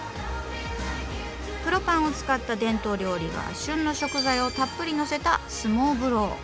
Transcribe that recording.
黒パンを使った伝統料理が旬の食材をたっぷりのせたスモーブロー。